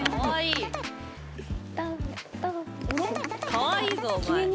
かわいい！